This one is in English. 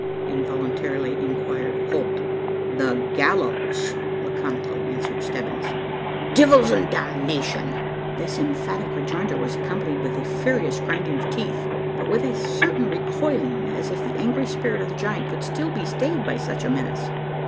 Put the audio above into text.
involuntarily inquired Holt. "The gallows," laconically answered Stebbins. "Devils an' damnation!" This emphatic rejoinder was accompanied with a furious grinding of teeth, but with a certain recoiling as if the angry spirit of the giant could still be stayed by such a menace.